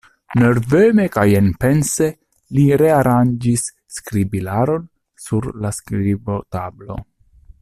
Nerveme kaj enpense li rearanĝis skribilaron sur la skribotablo.